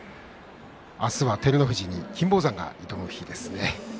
明日は照ノ富士に金峰山が挑みますね。